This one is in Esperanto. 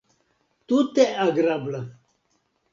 Tute agrabla.